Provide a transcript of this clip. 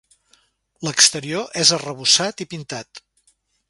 L'exterior és arrebossat i pintat.